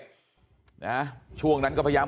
บอกแล้วบอกแล้วบอกแล้ว